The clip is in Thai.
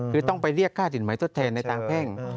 คือต้องไปเรียกค่าสิทธิ์หมายทดแทนในตามแพง